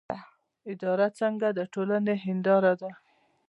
اداره څنګه د ټولنې هنداره ده؟